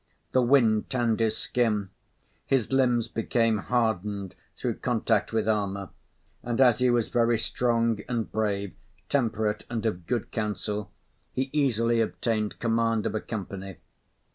The wind tanned his skin. His limbs became hardened through contact with armour, and as he was very strong and brave, temperate and of good counsel, he easily obtained command of a company.